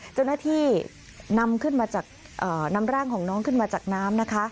เจ้าหน้าที่นำร่างของน้องขึ้นมาจากน้ำนะคะ